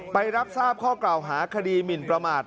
ไปรับทราบข้อกล่าวหาคดีหมินประมาท